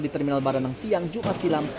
di terminal baranang siang jumat silam